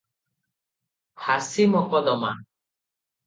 ଫାଶି ମକଦ୍ଦମା ।